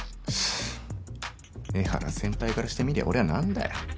江原先輩からしてみりゃ俺はなんだよ？